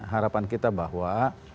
harapan kita bahwa